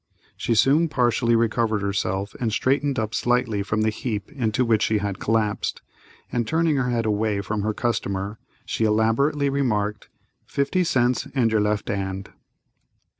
She soon partially recovered herself, and straightened up slightly from the heap into which she had collapsed, and, turning her head away from her customer, she elaborately remarked: "Fifty cents and your left 'and."